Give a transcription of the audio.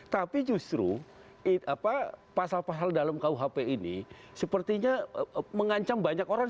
tapi justru pasal pasal dalam kuhp ini sepertinya mengancam banyak orang